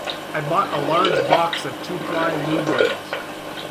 I bought a large box of two-ply loo rolls.